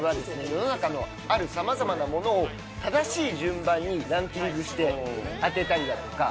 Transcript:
世の中のあるさまざまなものを正しい順番にランキングして当てたりだとか。